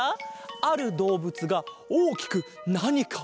あるどうぶつがおおきくなにかをしているぞ！